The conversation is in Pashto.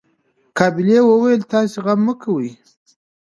قابلې وويل تاسو غم مه کوئ.